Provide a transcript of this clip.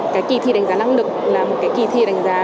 kỳ thi đánh giá năng lực là một kỳ thi đánh giá